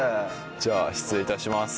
じゃあ失礼いたします